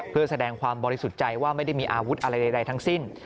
เพื่อแสดงความบริสุทธิ์ใจว่าไม่ได้มีอาวุธอะไรใดทั้งสิ้น